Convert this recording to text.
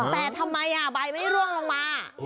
แต่ทำไมใบไม่ร่วงลงมา